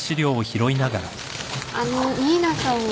あのう新名さんは？